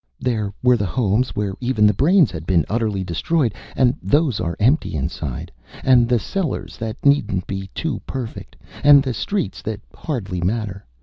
"There were the homes where even the brains had been utterly destroyed, and those are empty inside, and the cellars that needn't be too perfect, and the streets that hardly matter.